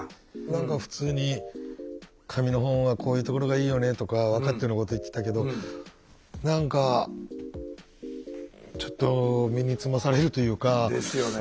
何か普通に「紙の本はこういうところがいいよね」とか分かってるようなこと言ってたけど何かちょっと身につまされるというか。ですよね。